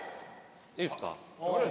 いいっすか？